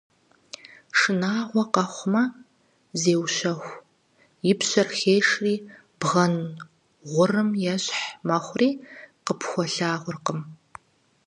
Шынагъуэ къэхъумэ, зеущэху, и пщэр хешри бгъэн гъурым ещхь мэхъури, къыпхуэлъагъуркъым.